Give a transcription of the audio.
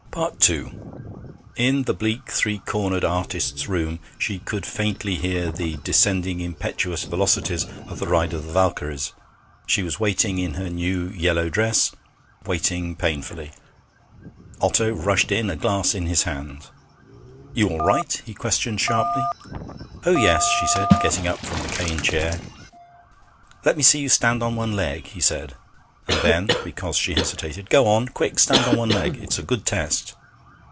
II In the bleak three cornered artists' room she could faintly hear the descending impetuous velocities of the Ride of the Walkyries. She was waiting in her new yellow dress, waiting painfully. Otto rushed in, a glass in his hand. 'You all right?' he questioned sharply. 'Oh, yes,' she said, getting up from the cane chair. 'Let me see you stand on one leg,' he said; and then, because she hesitated: 'Go on, quick! Stand on one leg. It's a good test.'